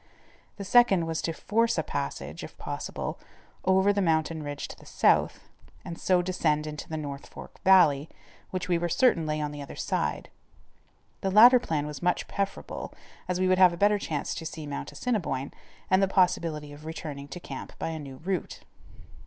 The second was to force a passage, if possible, over the mountain ridge to the south and so descend into the North Fork valley, which we were certain lay on the other side. The latter plan was much preferable, as we would have a better chance to see Mount Assiniboine, and the possibility of returning to camp by a new route.